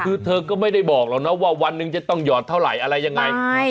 คือเธอก็ไม่ได้บอกหรอกนะว่าวันหนึ่งจะต้องหยอดเท่าไหร่อะไรยังไง